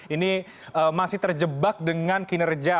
ini masih terjebak dengan kinerja